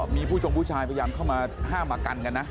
มีผู้ชมผู้ชายพยายามเข้ามาห้ามมากันกันนะ